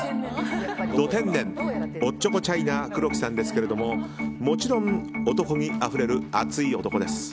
ド天然、おっちょこちゃいな黒木さんですがもちろん男気あふれる熱い男です。